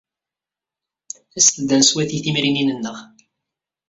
Aset-d ad neswati timrinin-nneɣ!